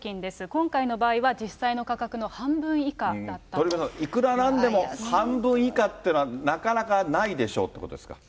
今回の場合は実際の価格の半分以鳥海さん、いくらなんでも半分以下っていうのは、なかなかないでしょってことですか。